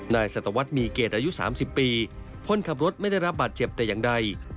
สัตวรรษมีเกตอายุ๓๐ปีคนขับรถไม่ได้รับบาดเจ็บแต่อย่างใด